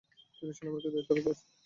তিনি সেনাবাহিনীতেই দায়িত্বরত থাকেন।